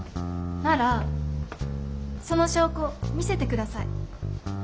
ならその証拠見せて下さい。